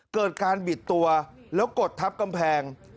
เกิดการบิดตัวแล้วกดทับกำแพง